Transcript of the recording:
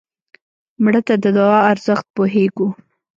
مړه ته د دعا ارزښت پوهېږو